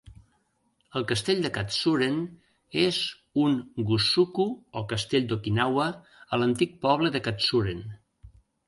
El castell de Katsuren és un "gusuku", o castell d'Okinawa, a l'antic poble de Katsuren.